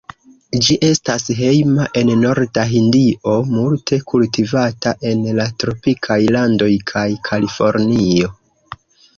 Ĝi estas hejma en Norda Hindio, multe kultivata en la tropikaj landoj kaj Kalifornio.